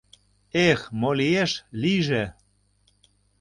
Эх, мо лиеш. лийже.